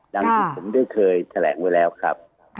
ดังที่ผมได้เคยแถลงไว้แล้วครับ